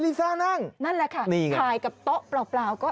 ลิซ่านั่งนั่นแหละค่ะนี่ไงกับโต๊ะเปราะก็เอ้าไว้นี่นิด